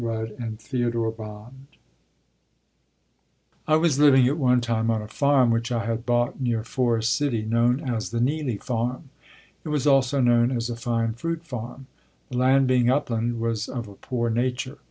RUDD AND THEODORE BOND I was living at one time on a farm, which I had bought near Forrest City, known as the Neely farm. It was also known as a fine fruit farm. The land being upland was of a poor nature.